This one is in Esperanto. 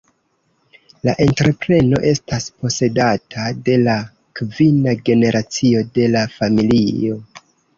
La entrepreno estas posedata de la kvina generacio de la familio.